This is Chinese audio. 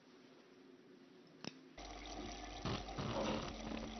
是中华人民共和国政府方面用以纪念淮海战役碾庄战斗中牺牲的革命烈士。